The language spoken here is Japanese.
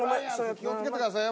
気をつけてくださいよ